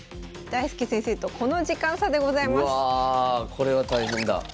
これは大変だ。